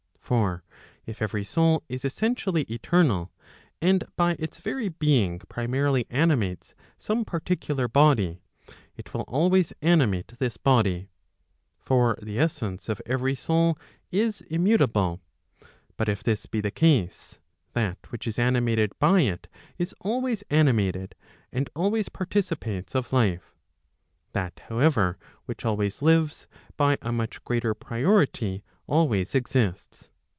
For if every soul is essentially eternal, and by its very being primarily animates some particular body, [it will always animate this body. For the essence of every soul is immutable]. But if this be the case, that which is animated by it is always animated, and always participates of life. That, however, which always lives, by a much greater priority always exists.